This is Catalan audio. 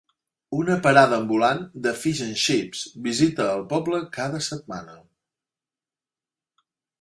Una parada ambulant de "fish and chips" visita el poble cada setmana.